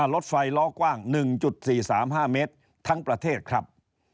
รถไฟล้อกว้าง๑๔๓๕เมตรทั้งประเทศครับ